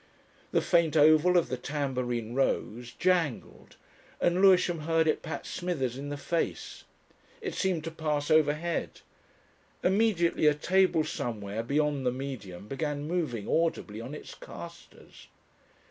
The faint oval of the tambourine rose, jangled, and Lewisham heard it pat Smithers in the face. It seemed to pass overhead. Immediately a table somewhere beyond the Medium began moving audibly on its castors.